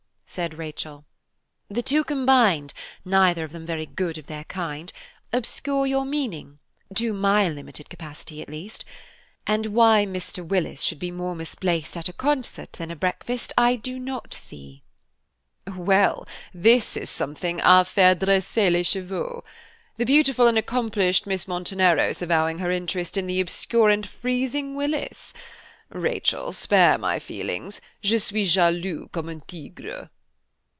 said Rachel. "The two combined, neither of them very good of their kind, obscure your meaning–to my limited capacity, at least–and why Mr. Willis should be more misplaced at a concert than a breakfast, I do not see." "Well, this is something à faire dresser les cheveux. The beautiful and accomplished Miss Monteneros avowing her interest in the obscure and freezing Willis! Rachel, spare my feelings–je suis jaloux comme un tigre."